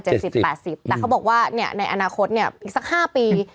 แต่เขาบอกในอนาคตอีกสัก๕ปี